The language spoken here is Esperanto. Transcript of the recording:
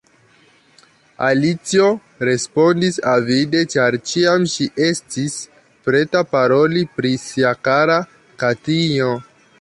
Alicio respondis avide, ĉar ĉiam ŝi estis preta paroli pri sia kara katinjo.